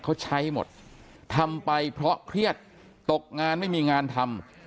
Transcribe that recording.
เขาใช้หมดทำไปเพราะเครียดตกงานไม่มีงานทำ